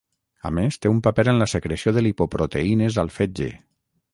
A més té un paper en la secreció de lipoproteïnes al fetge.